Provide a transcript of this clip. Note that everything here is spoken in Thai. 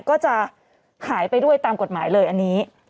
ก็จะหายไปด้วยตามกฎหมายเลยอันนี้